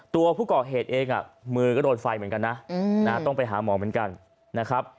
ตัวผู้ก่อเหตุเองมือก็โดนไฟเหมือนกันนะต้องไปหาหมอเหมือนกันนะครับ